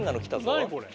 何これ？